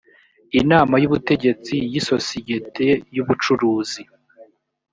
inama y ubutegetsi y isosiyete y ubucuruzi